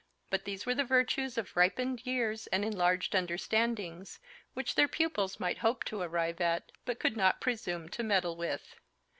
But these were the virtues of ripened years and enlarged understandings which their pupils might hope to arrive at, but could not presume to meddle with.